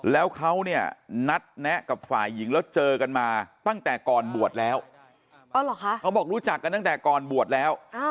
แล้วเขาเนี่ยนัดแนะกับฝ่ายหญิงแล้วเจอกันมาตั้งแต่ก่อนบวชแล้วเขาบอกรู้จักกันตั้งแต่ก่อนบวชแล้ว